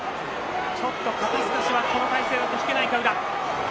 ちょっと肩透かしはこの体勢だと引けないか宇良。